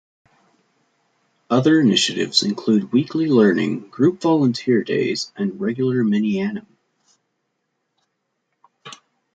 Other initiatives include weekly learning, group volunteer days, and regular minyanim.